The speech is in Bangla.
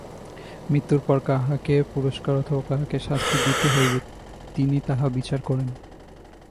মৃত্যুর পর কাহাকে পুরস্কার অথবা কাহাকে শাস্তি দিতে হইবে, তিনি তাহা বিচার করেন।